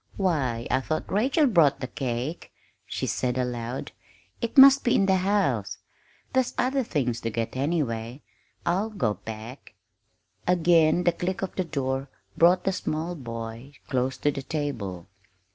"Why, I thought Rachel brought the cake," she said aloud. "It must be in the house; there's other things to get, anyway. I'll go back." Again the click of the door brought the small boy close to the table.